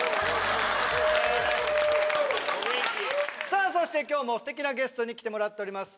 さあそして今日も素敵なゲストに来てもらっております